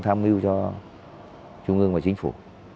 tham mưu cho trung ương và chính phủ